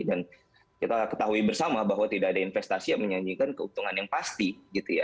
dan kita ketahui bersama bahwa tidak ada investasi yang menyanyikan keuntungan yang pasti gitu ya